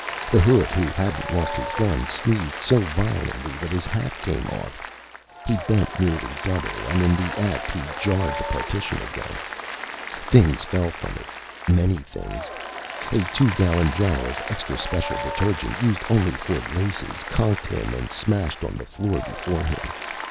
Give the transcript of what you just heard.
The hood who hadn't lost his gun sneezed so violently that his hat came off. He bent nearly double, and in the act he jarred the partition again. Things fell from it. Many things. A two gallon jar of extra special detergent, used only for laces, conked him and smashed on the floor before him.